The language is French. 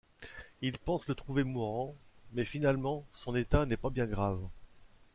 Il pense le trouver mourant, mais finalement son état n'est pas bien grave.